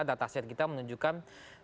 dataset kita menunjukkan